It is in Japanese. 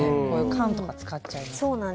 缶とか使っちゃいます。